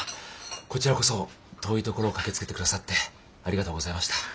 こちらこそ遠い所を駆けつけて下さってありがとうございました。